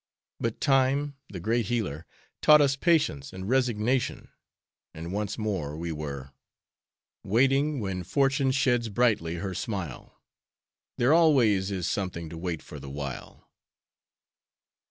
But Time, the great healer, taught us patience and resignation, and once more we were "Waiting when fortune sheds brightly her smile, There always is something to wait for the while."